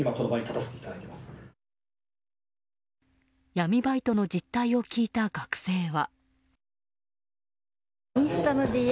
闇バイトの実態を聞いた学生は。